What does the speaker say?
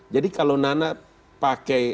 jadi kalau nana pakai